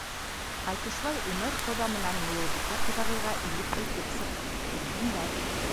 Ҡайтышлай Үмәр ҡоҙа менән Муйылбикә ҡоҙағыйға инеп әйтеп сыҡ, килһендәр.